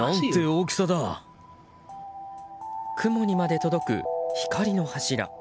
雲にまで届く光の柱。